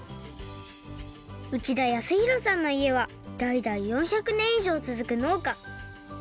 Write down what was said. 内田泰宏さんのいえはだいだい４００ねんいじょうつづくのうか。